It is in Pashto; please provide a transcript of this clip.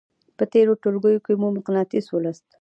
په تېرو ټولګیو کې مو مقناطیس ولوستل.